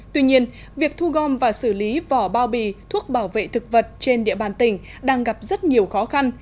tuy nhiên việc thu gom và xử lý vỏ bao bì thuốc bảo vệ thực vật trên địa bàn tỉnh đang gặp rất nhiều khó khăn